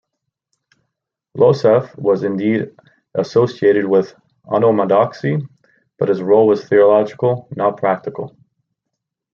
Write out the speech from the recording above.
Losev was indeed associated with Onomatodoxy but his role was theological, not practical.